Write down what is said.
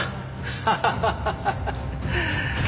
ハハハハハ。